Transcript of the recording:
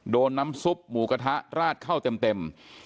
โดนน้ำซุปหมูกระทะราดเข้าเต็ม